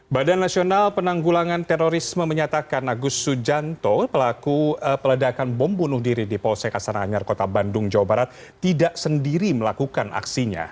badan nasional penanggulangan terorisme menyatakan agus sujanto pelaku peledakan bom bunuh diri di polsek astana anyar kota bandung jawa barat tidak sendiri melakukan aksinya